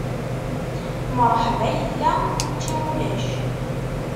Mṛeḥba yella, učči ulac.